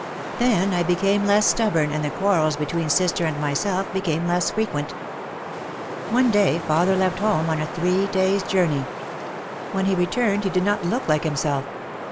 Then I became less stubborn and the quarrels between sister and myself became less frequent. One day father left home on a three days' journey. When he returned he did not look like himself.